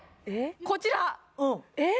こちらえっ？